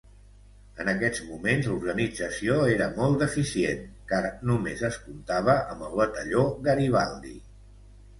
En aquests moments, l'organització era molt deficient, car només es comptava amb el Batalló Garibaldi.